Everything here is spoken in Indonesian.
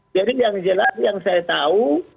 jadi yang jelas yang saya tahu